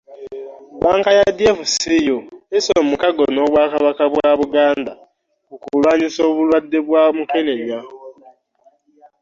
Bbanka ya DFCU esse omukago ny'obwakabaka bwa Buganda ku kulwanyisa obulwadde bwa Mukenenya